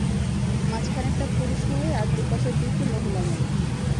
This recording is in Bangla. মাঝখানেরটা পুরুষ ময়ূর, আর দুপাশের দুইটি মহিলা ময়ূর।